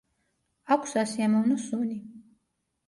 აქვს სასიამოვნო სუნი.